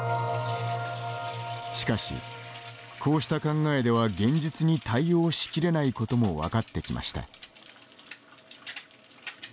しかし、こうした考えでは現実に対応しきれないことも分かってきました。